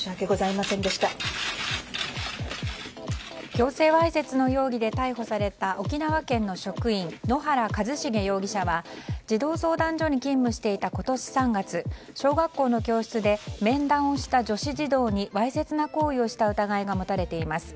強制わいせつの容疑で逮捕された沖縄県の職員野原一茂容疑者は児童相談所に勤務していた今年３月、小学校の教室で面談をした女子児童にわいせつな行為をした疑いが持たれています。